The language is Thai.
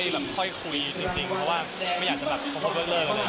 แล้วก็มีพี่น้องอะไรอย่างนี้